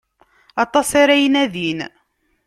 Aṭas ara inadin.